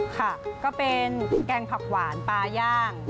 ค่ะก็เป็นแกงผักหวานปลาย่าง